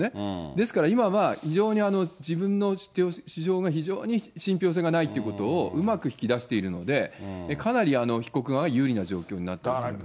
ですから、今は非常に自分の主張が非常に信ぴょう性がないってことをうまく引き出しているので、かなり被告側が有利な状況になっていると思います。